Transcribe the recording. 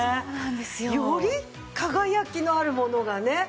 より輝きのあるものがね。